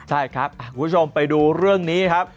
ใช่ครับคุณผู้ชมไปดูเรื่องนี้ครับ